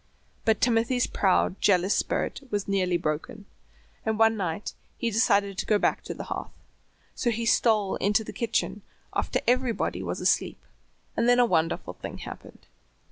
But Timothy's proud, jealous spirit was nearly broken, and one night he decided to go back to the hearth. So he stole into the kitchen after everybody was asleep, and then a wonderful thing happened.